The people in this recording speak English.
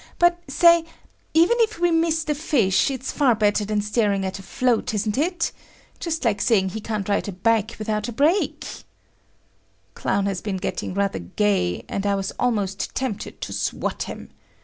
But, say, even if we miss the fish, it's far better than staring at a float, isn't it? Just like saying he can't ride a bike without a brake." Clown has been getting rather gay, and I was almost tempted to swat him.